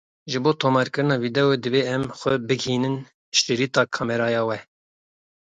Ji bo tomarkirina vîdeoyê divê em xwe bigihînin şirîta kameraya we.